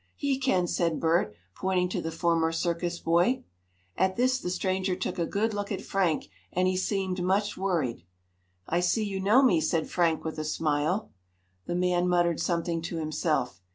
"He can," said Bert, pointing to the former circus boy. At this the stranger took a good look at Frank, and he seemed much worried. "I see you know me," said Frank with a smile. The man muttered something to himself.